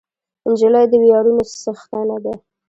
نجلۍ د ویاړونو څښتنه ده.